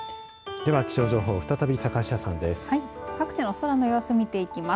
では気象情報再び坂下さんです。